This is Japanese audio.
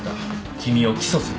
君を起訴する。